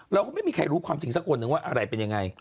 เราก็ไม่มีใครรู้ความจริงสักคนหนึ่งว่าอะไรเป็นยังไง